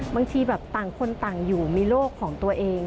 บางทีแบบต่างคนต่างอยู่มีโลกของตัวเอง